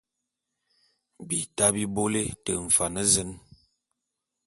Bita bi bôle te mfan zen !